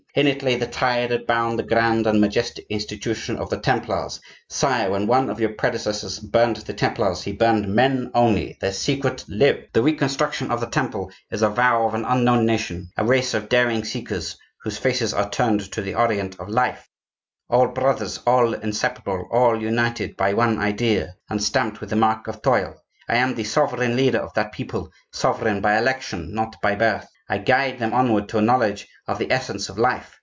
In it lay the tie that bound the grand and majestic institution of the Templars. Sire, when one of your predecessors burned the Templars, he burned men only,—their Secret lived. The reconstruction of the Temple is a vow of an unknown nation, a race of daring seekers, whose faces are turned to the Orient of life,—all brothers, all inseparable, all united by one idea, and stamped with the mark of toil. I am the sovereign leader of that people, sovereign by election, not by birth. I guide them onward to a knowledge of the essence of life.